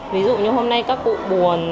ví dụ như hôm nay các cụ buồn